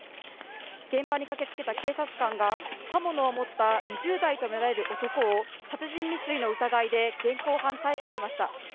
現場に駆けつけた警察官が刃物を持った２０代とみられる男を殺人未遂の疑いで現行犯逮捕しました。